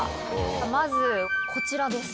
まずこちらです。